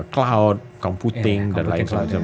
cloud computing dan lain sebagainya